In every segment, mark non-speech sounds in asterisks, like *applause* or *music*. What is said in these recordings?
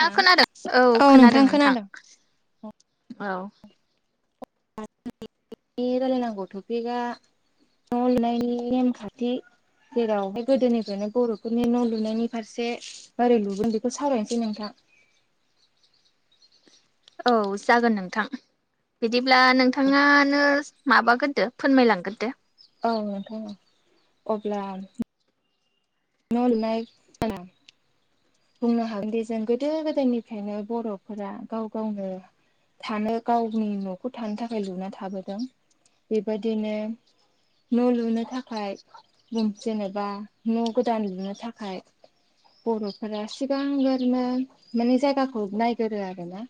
थां औ खोनादों नोंथां औ। *unintelligible* रायलायनांगौ टपिकआ न' लुनायनि नेमखान्थि जेरावहाय गोदोनिफ्रायनो बर'फोरनि न' लुनायनि फारसे मारै लुगोन बेखौ सावरायनोसै नोंथां। औ जागोन नोंथां। बिदिब्ला नोंथाङानो माबागोरदो फोरमायलांगग्रोदो। औ नोंथां औ। अब्ला न' लुनाय बुंनो हागोनदि जों गोदो गोदायनिफ्रायनो बर'फोरा गाव गावनो थानो गावनि न'खौ थानो थाखाय लुना थाबोदों। बेबादिनो न' लुनो थाखाय जेनेबा न' गोदान लुनो थाखाय बर' *inaudible* फोरा सिगां गोरनो माने जायगाखौ नायगोरो आरो ना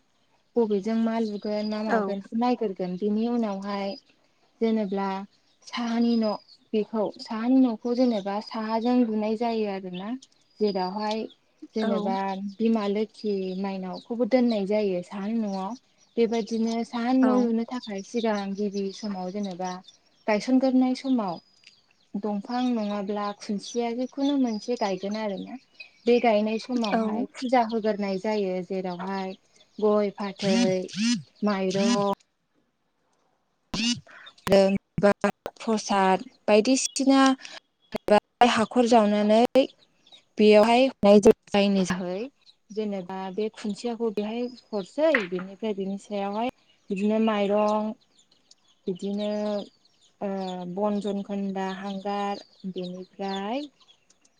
बबेजों मा लु- गुगोन ना औ मागोन नायग्रोगोन बिनि उनावहाय जेनेब्ला साहानि न' बेखौ साहानि न'खौ जेनेबा साहाजों लुनाय जायो आरोना! जेरावहाय औ जेनेबा बिमा लोखि खि मायनावखौबो दोननाय जायो! साहानि न'आव बेबायदिनो साहानि न' लुनो थाखाय सिगां गिबि समाव जेनेबा गायसनग्रोनाय समाव दंफां नङाब्ला खुन्थिया जिखुनु मोनसे गायगोन आरो ना! बे गायनाय औ समावहाय फुजा होग्रोनाय जायो! जेरावहाय गय, फाथै, माइरं, जों प्रसाद बायदिसिना हाय हाखर जावनानै बेयावहाय हमनाय जायो जायनि जाहै जेनेबा बे खुन्थियाखौ बेहाय हरसै बेनिफ्राय बेनि सायावहाय बिदिनो माइरं, बिदिनो ओ बन जनखोनदा हांगार बेनिफ्राय-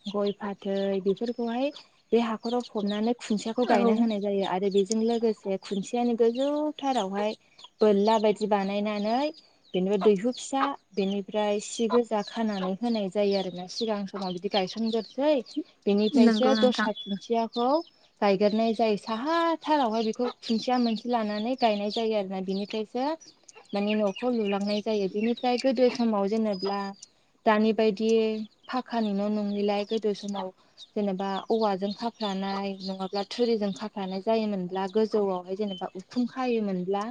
गय फाथै बेफोरखौहाय बे हाखराव फबनानै- खुन्थियाखौ औ गायना होनाय जायो आरो बेजों लोगोसे बे खुनथियानि गोजौ थारावहाय बोरला बायदि बानायनानै बेनिफ्राय दैहु फिसा बेनिफ्राय सि गोजा खानानै होनाय जायो आरोना सिगां- माव बिदि गायसनग्रोसै नंगौ बेनिफ्रायसो नोंथां दस्रा खुन्थियाखौ- गायगोरनाय जायो साहाथारावहाय बेखौ खुन्थिया मोनसे लानानै गायनाय जायो आरोना बिनिफ्रायसो मानि न'खौ लुलांनाय जायो। बिनिफ्राय गोदो समाव जेनेब्ला दानि बायदि फाखानि न' नंङिलाय गोदो समाव जेनेबा औवाजों खाफ्रानाय नङाब्ला थुरिजों खाफ्रानाय जायोमोनब्ला गोजौआवनो जेनेबा- फुं खायोमोनब्ला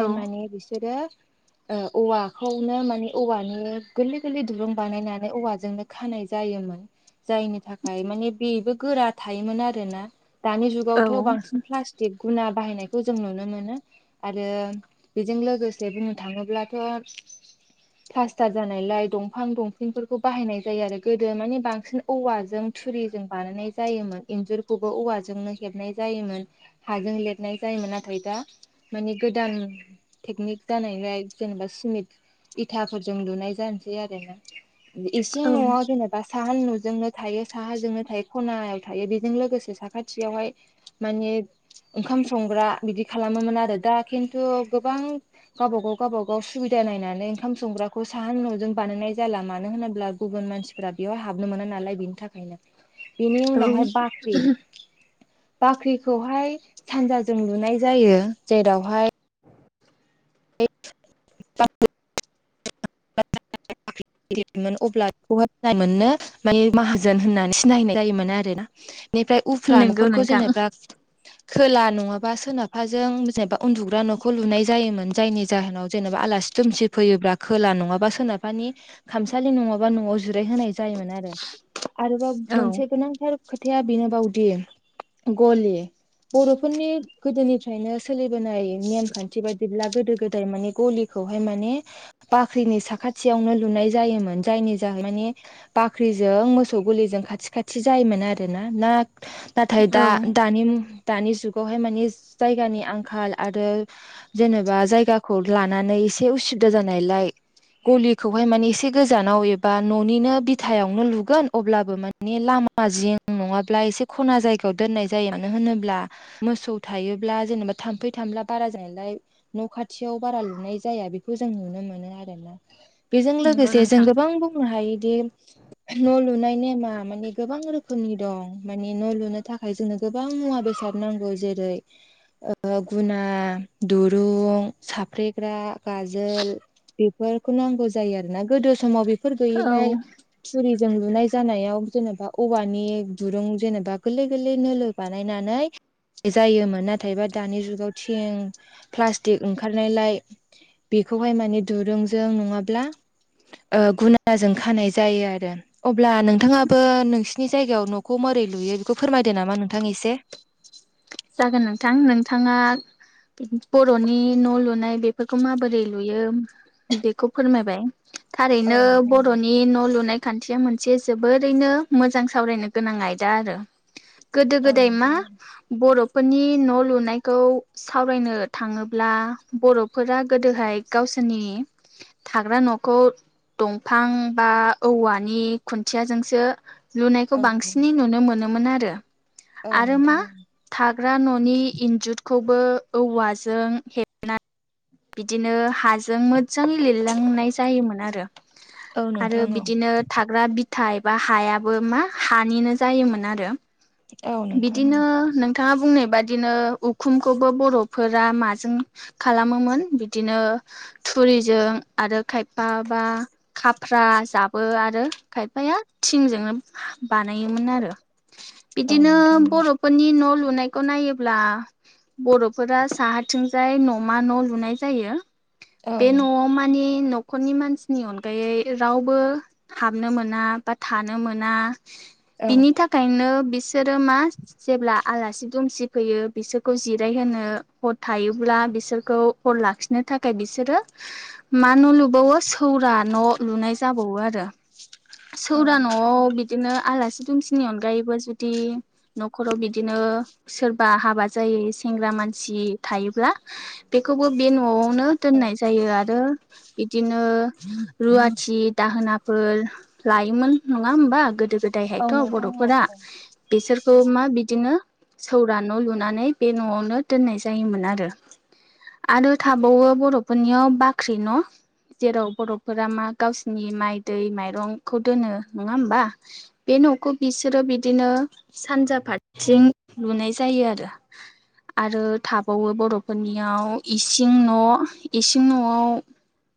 औ माने बिसोरो- ओ औवाखौनो माने औवानो गोरलै -गोरलै दुरुं बानायनानै औवाजोंनो- खानाय जायोमोन जायनि थाखाय माने बेबो गोरा थायोमोन आरो ना! दानि औ जुगावथ' बांसिन प्लास्टिक गुना बाहायनायखौ जों नुनो मोनो! आरो बेजों लोगोसे बुंनो थाङोब्लाथ'- प्लास्टार जानायलाय दंफां दंफिंफोरखौ बाहायनाय जायो आरो गोदो मानि बांसिन औवाजों थुरिजों बानायनाय जायोमोन इन्जुरखौबो औवाजोंनो हेबनाय जायोमोन! हाजों लिरनाय जायोमोन नाथाय दा माने गोदान- टेकनिक जानायलाय जेनेबा सिमेन्ट इथाफोरजों लुनाय जानोसै आरो ना! इसे औ न आ जेनेब- बा साहानि न'जोंनो थायो साहाजोंनो थायो खनायाव थायो बेजों लोगोसे साखाथियावहाय- माने ओंखाम संग्रा बिदि खालामोमोन आरो दा खिन्थु गोबां गावबा गाव गावबा गाव सुबिदा नायनानै ओंखाम संग्राखौ साहा न'जों बानायनाय जाला! मानो होनोब्ला गुबुन मानसि फोरा बेयाव हाबनो मोना नालाय बेनि थाखायनो बेनि औ उनावहाय बाख्रि बाख्रिखौहाय सानजाजों लुनाय जायो! जेरावहाय *inaudible* मोन अब्ला बेखौहाय मोननो- मानि माहाजोन होननानै सिनायनाय जायोमोन! आरो ना बेनिफ्राय उफ्रा नंगौ न'खरखौ नोंथां जेनेबा खोला नङाबा सोनाबहाजों जेनेबा उन्दुग्रा न'खौ लुनाय जायोमोन जायनि जाहोनाव जेनेबा आलासि- दुमसि फैयोब्ला खोला नङाबा सोनाबहानि- खामसालि नङाबा न'आव जिरायहोनाय जायोमोन आरो! आरोबाव औ मोनसे गोनांथार खोथाया बेनोबावदि- गलि, - बर'फोरनि गोदोनिफ्रायनो सोलिबोनाय नेम खान्थि बायदिब्ला गोदो- गोदाय माने गलि खौहाय माने बाख्रिनि साखाथियावनो लुनाय जायोमोन! जायनि जाहो माने- बाख्रिजों मोसौ गलिजों खाथि खाथि जायोमोन आरोना! ना नाथाय औ दा दानि दानि जुगावहाय मानि जायगानि आंखाल आरो जेनेबा जायगाखौ लानानै एसे उसुबिदा जानायलाय गलिखौहाय माने एसे एसे गोजानाव एबा न'निनो बिथायावनो लुगोन अब्लाबो माने लामा जिं नङाब्ला एसे खना जायगायाव दोननाय जायो मानो होनोब्ला मोसौ थायोब्ला जेनेबा थाम्फै थामब्ला बारा जानायलाय न' खाथियाव बारा लुनाय जाया बेखौ जों नुनो मोनो आरो ना बेजों लोगोसे नंगौ नोंथां बां बुंनो हायोदि न' लुनाय नेमा मानि गोबां रोखोमनि दं माने न' लुनो थाखाय जोंनो गोबां मुवा बेसाद नांगौ जेरै ओ गुना दुरुं साफ्रेग्रा गाजोल बेफोरखौ नांगौ जायो आरोना गोदो समाव बेफोर औ गैयिलाय थुरिजों लुनाय जानायाव जेनेबा औवानि दुरुं जेनेबा गोरलै गोरलै नोलो बानायनानै जायोमोन नाथायबा दानि जुगाव थिं प्लास्टिक ओंखारनायलाय बेखौहाय माने दुरुंजों नङाब्ला ओ गुनाजों खानाय जायो आरो। अब्ला नोंथाङाबो नोंसिनि जायगायाव न'खौ मारै लुयो बेखौ फोरमायदो नामा नोंथां एसे। जागोन नोंथां नोंथाङा बर'नि न' लुनाय बेफोरखौ माबोरै लुयो बेखौ फोरमायबाय। औ थारैनो नोंथां औ बर'नि न' लुनाय खान्थिया मोनसे जोबोरैनो मोजां सावरायनो गोनां आयदा आरो। गोदो औ गोदाय मा नोंथां बर'फोरनि न' लुनायखौ सावरायनो थाङोब्ला बर'फोरा गोदोहाय गावसोरनि थाग्रा न'खौ दंफां बा औवानि खुन्थियाजोंसो लुनायखौ औ बांसिनै नुनो मोनोमोन आरो औ आरो मा नोंथां औ थाग्रा न'नि इन्जतखौबो औवाजों हे बिदिनो हाजों जाङै लिरलांनाय जायोमोन आरो औ आरो नोंथां औ बिदिनो थाग्रा बिथा एबा हायाबो मा हानिनो जायोमोन आरो। औ नोंथां बिदिनो औ नों थाङा बुंनाय बादिनो उखुमखौबो बर'फोरा माजों खालामोमोन। बिदिनो थुरिजों आरो खायफा बा खाफ्रा जाबो आरो खायफाया थिंजों बानायोमोन आरो औ बिदिनो नोंथां औ बर' फोरनि न' लुनायखौ नायोब्ला बर'फोरा साहाथिंजाय न'मा न' लुनाय जायो। औ बे न'आव मानि न'खरनि मानसिनि अनगायै रावबो हाबनो मोना बा थानो मोना औ बिनि थाखायनो बिसोरो मा जेब्ला आलासि दुमसि फैयो बिसोरखौ जिरायहोनो हर थायोब्ला बिसोरखौ हर लाखिनो थाखाय बिसोर बिसोरो मा न' लुबावो सौरा न' लुनाय जाबावो आरो। सौरा औ न'आव बिदिनो आलासि दुमसिनि अनगायैबो जुदि न'खराव बिदिनो सोरबा हाबा जायै सेंग्रा मानसि थायोब्ला बेखौबो बे न'आवनो दोननाय जायो आरो बिदिनो रुवाथि दाहोनाफोर लायोमोन नङा होमबा गोदो औ गोदायहायथ' नोंथां औ बर'फोरा बिसोरखौ मा बिदिनो सौरा न' लुनानै बे न'आवनो दोननाय जायोमोन आरो आरो थाबावो बर'फोरनियाव बाख्रि न जेराव बर'फोरा मा गावसिनि माइ दै माइरंखौ दोनो नङा होमबा। बे न'खौ बिसोरो बिदिनो सानजा फारथिं लुनाय जायो आरो। आरो थाबावो बर'फोरनियाव इसिं न' इसिं न'आव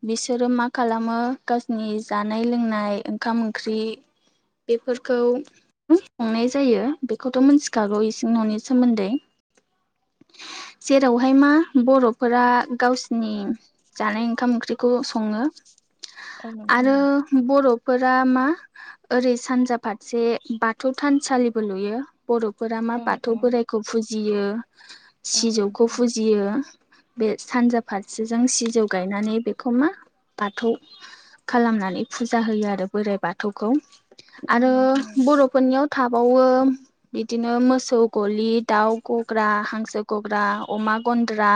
बिसोरो मा खालामो गावसिनि जानाय लोंनाय ओंखाम ओंख्रि बेफोरखौ संनाय जायो बेखौथ' मोनथिखागौ इसिं न'नि सोमोन्दै जेरावहाय मा बर'फोरा गावसो नि जानाय ओंखाम ओंख्रिखौ सङो औ नोंथां आरो औ बर'फोरा मा ओरै सानजा फारसे बाथौ थानसालिबो लुयो बर'फोरा मा औ बाथौ बोराइखौ फुजियो औ सिजौखौ नोंथां फुजियो बे सानजा फारसेजों सिजौ गायनानै बेखौ मा बाथौ खालामनानै फुजा होयो आरो बोराइ बाथौखौ औ नोंथां औ आरो नोंथां बर' फोरनियाव थाबाववो बिदिनो मोसौ गलि दाउ गग्रा हांसो गग्रा अमा गन्द्रा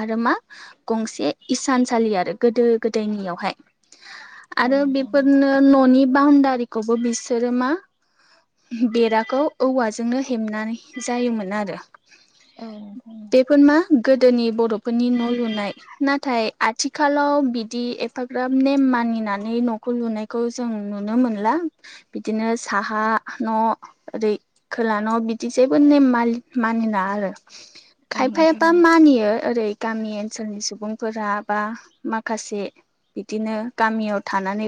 आरो मा गंसे इसानसालि आरो गोदो गोदायनियावहाय औ आरो नोंथां बेफोरनो ओ न'नि बाउणडारिखौबो बिसोरो मा बेराखौ औवाजोंनो हेबनानै जायोमोन आरो औ फोर मा गोदोनि बर'फोरनि न' लुनाय नाथाय आथिखालाव बिदि एफाग्राब नेम मानिनानै न'खौ लुनाय खौ जों नुनो मोनला बिदिनो साहा न' ओरै खोला न' बिदि जेबो नेम मालि मानिना आरो औ नोंथां खायफायााबा मानियो ओरै गामि ओनसोलनि सुबुंफोरा बा माखासे बिदिनो गामियाव थानानै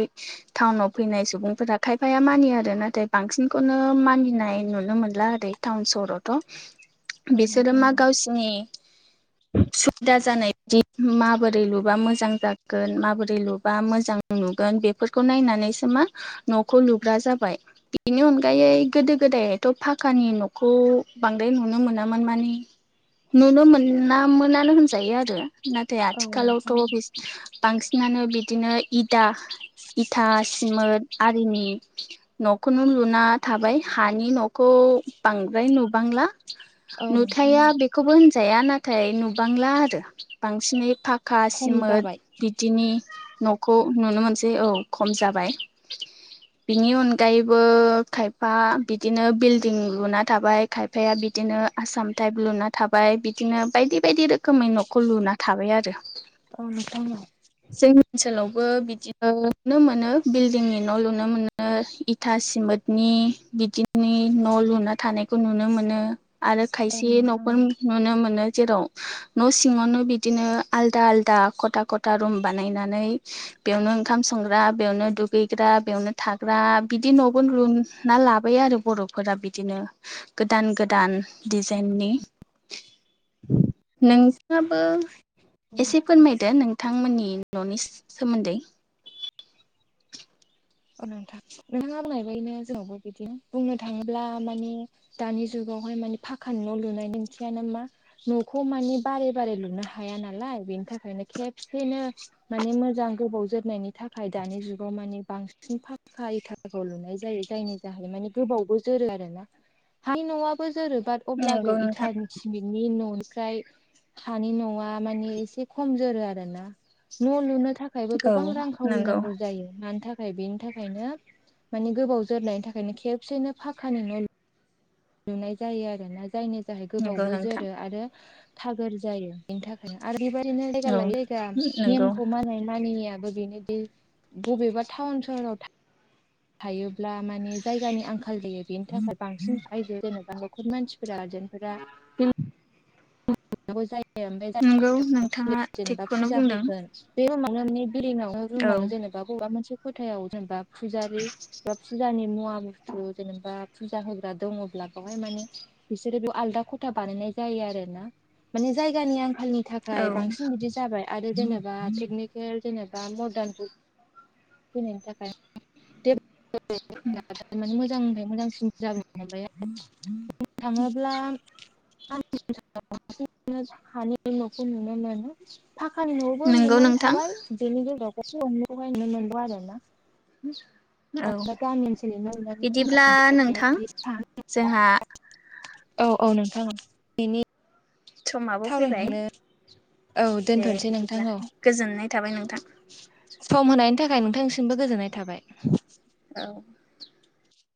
टाउनाव फैनाय सुबुंफोरा खायफाया मानिया आरो नाथाय बांसिनखौनो मानिनाय नुनो मोनला आरो टाउन सहरावथ' बिसोरो मा गावसिनि सुबिदा जानाय जि माबोरै लुबा मोजां जागोन माबोरै लुबा मोजां नुगोन बे फोरखौ नायनानैसो मा न'खौ लुग्रा जाबाय बेनि अनगायै गोदो गोदायथ' फाखानि न'खौ बांद्राय नुनो मोनामोन मानि नुनो मोना मोननो होनजायो आरो नाथाय औ आथिखालावथ' नोंथां बि बांसिनानो बिदिनो इदा इथा सिमोद आरिनि न'खौनो लुना थाबाय हानि न' खौ बांद्राय नुबांला औ नुथाया नोंथां बेख खौबो होनजाया नाथाय नुबांला आरो बांसिनै फा खा खम सिमोद जाबाय बिदिनि न'खौ नुनो मोनसै औ खम जाबाय बिनि अनगायैबो खायफा बिदिनो बिल्डिं लुना थाबाय खायफाया बिदिनो आसाम टाइप लुना थाबाय बिदिनो बायदि बायदि रोखोमै न'खौ लुना थाबाय आरो औ नोंथां जोंनि ओनसोलावबो बिदि नुनो मोनो बिल्डिंनि न' लुनो मोनो ओ इथा सिमोदनि बिदिनि न' लुना थानायखौ नुनो मोनो आरो औ खायसे नोंथां न'फोर नुनो मोनो जेराव न' सिङावनो बिद बिदिनो आलदा आलदा खथा खथा रुम बानायनानै बेयावनो ओंखाम संग्रा बेयावनो दुगैग्रा बेयावनो थाग्रा बिदि न'बो लुना लाबाय जों बर'फोरा बिदिनो गोदान गोदान दिडजाइननि नोंसाबो औ एसे फोरमायदो नोंथांमोननि न'नि सोमोन्दै अ नोंथा नोंथाङा बुंनाय बादिनो जोंनावबो बिदि बुंनो थाङोब्ला माने दानि जुगावहाय माने फाखानि न' लुनायनि ओंन्थियानो मा न'खौ मानि बारे बारे लुनो हाया नालाय बेनि थाखायनो खेबसेनो मानि मोजां गोबाव जोरनायनि थाखाय दानि जुगाव मानि बांसिन बांसिन फाखा इथाफोरखौ लुनाय जायो जायनि जाहै माने गोबावबो जोरो आरो ना। हानि न'आबो जोरो बात अब्लाबो नंगौ नोंथां इटान सिमेटनि न'निफ्राय हानि न'आ मानिे एसे खम जोरो आरो ना न' लुनो था खायबो औ गोबां रां नंगौ खावरिनांगौ जायो मानि था खाय बेनि थाखायनो मानि गोबाव जोरनायनि थाखायनो खेबसेनो फाखानि न' लुनाय जायो आरो ना जायनि जाहै नंगौ गोबावबो नोंथां जोरो आरो थागोर जायो बेनि थाखायनो आरो बेबाय दिनो जायगा औ लायो जायगा नंगौ नेमखौ मानाय मानिनाययाबो बेनो बबेबा टाउन सहराव थायोब्ला माने जायगानि आंखाल जायो बेनि थाखाय बांसिन आइजो जेनेबा न'खर मानसि गारजेनफोरा *inaudible* *unintelligible* नंगौ नोंथाङा जेनेबा थिगखौनो फुजा बुंदों होगोन बे रुमावनो *unintelligible* आवनो औ रुमावनो जेनेबा बबेबा मोनसे खथायाव जेनेबा फुजारि बा फुजानि मुवा बुस्थु जेनेबा फुजा होग्रा दङब्ला बेवहाय माने बिसोरो बेयाव आलदा खथा बानायनाय जायो आरो। ना माने जायगानि आंखालनि औ थाखाय बांसिन बिदि जाबाय आरो जेनेबा पिकनिक जेनेबा मडार्न जुग फैनायनि थाखाय *unintelligible* मोजांनिफ्राय मोजांसिन *unintelligible* बुंनो थाङोब्ला *unintelligible* हानायनि न'खौ नुनो मोनो फाखानि न'आवबो नंगौ नुनानै नोंथां थाबाय बेनि गेजेराव *unintelligible* आरो ना *unintelligible* बिदिब्ला नोंथां जोंहा *unintelligible* औ औ नोंथां औ बेनि समाबो फैबाय सावराय *unintelligible* औ दे दोनथ'नोसै नोंथां बिदिब्ला औ गोजोननाय थाबाय नोंथां सम होनायनि थाखाय नोंथांनिसिमबो गोजोननाय थाबाय। औ